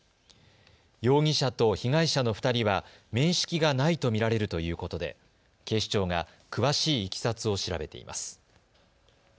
容疑者と被害者の２人は面識がないと見られるということで警視庁が詳しいいきさつを調べています。